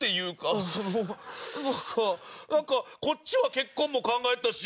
そのなんかこっちは結婚も考えてたし。